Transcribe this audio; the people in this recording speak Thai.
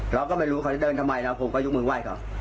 เราก็ไม่รู้เขาจะเดินทำไมนะผมก็ยกมือไหว้ก่อน